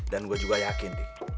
dan gua juga yakin di